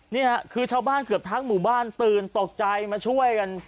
นี่ค่ะคือชาวบ้านเกือบทั้งหมู่บ้านตื่นตกใจมาช่วยกัน